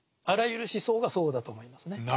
あらゆる思想がそうだと思いますね。